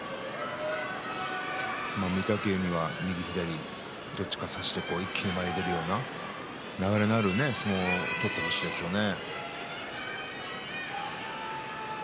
御嶽海はどっちか差して一気に前に出るような流れのある相撲を取ってほしいですね。